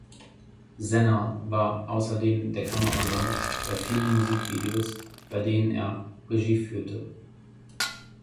Sena war außerdem der Kameramann bei vielen Musikvideos, bei denen er Regie führte.